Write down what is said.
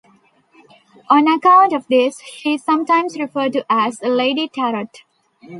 On account of this, she is sometimes referred to as"Lady Tarot".